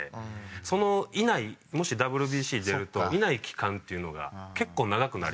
そのいないもしＷＢＣに出るといない期間っていうのが結構長くなりますから。